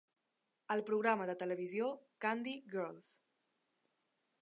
El programa de televisió "Candy Girls".